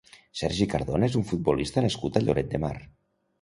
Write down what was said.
Sergi Cardona és un futbolista nascut a Lloret de Mar.